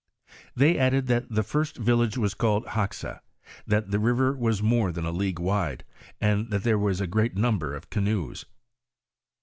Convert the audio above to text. They added that the first village was called Haxa, that the river was more than a league wide, and that there was a great number of canoes."